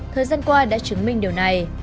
thời gian qua đã chứng minh điều này